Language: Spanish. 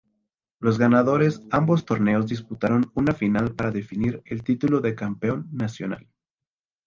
Los ganadores ambos torneos disputaron una final para definir el título de Campeón Nacional.